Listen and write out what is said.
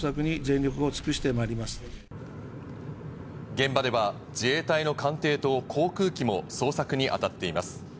現場では自衛隊の艦艇と航空機も捜索にあたっています。